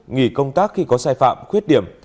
nghỉ công tác khi có sai phạm khuyết điểm